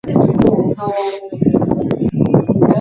hati inaweza kuwahusisha watazamaji na hadhira